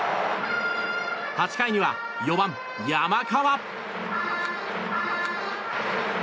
８回には４番、山川。